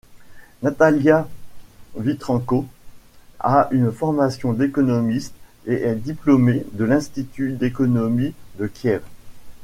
Nataliya Vitrenko a une formation d'économiste et est diplômée de l'Institut d'économie de Kiev.